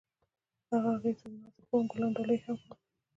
هغه هغې ته د نازک بام ګلان ډالۍ هم کړل.